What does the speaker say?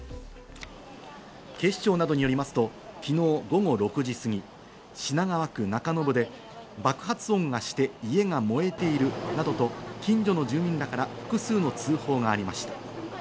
警視庁などによりますと昨日午後６時すぎ、品川区中延で爆発音がして家が燃えているなどと近所の住民から複数の通報がありました。